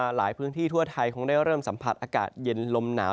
หลายพื้นที่ทั่วไทยคงได้เริ่มสัมผัสอากาศเย็นลมหนาว